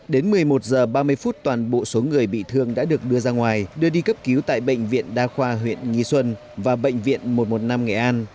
đến một mươi một h ba mươi phút toàn bộ số người bị thương đã được đưa ra ngoài đưa đi cấp cứu tại bệnh viện đa khoa huyện nghi xuân và bệnh viện một trăm một mươi năm nghệ an